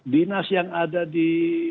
dinas yang ada di